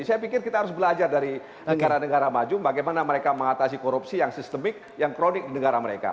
saya pikir kita harus belajar dari negara negara maju bagaimana mereka mengatasi korupsi yang sistemik yang kronik di negara mereka